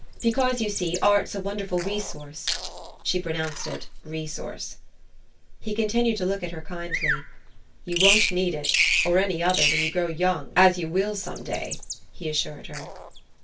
Because, you see, art's a wonderful resource." (She pronounced it RE source.) He continued to look at her kindly. "You won't need it or any other when you grow young, as you will some day," he assured her.